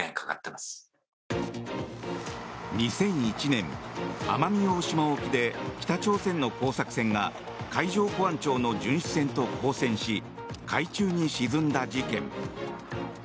２００１年、奄美大島沖で北朝鮮の工作船が海上保安庁の巡視船と交戦し海中に沈んだ事件。